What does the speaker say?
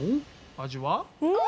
味は？